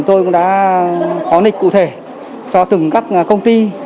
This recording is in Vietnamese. tôi cũng đã có lịch cụ thể cho từng các công ty